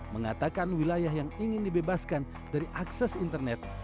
mengatakan wilayah yang ingin dibebaskan dari akses internet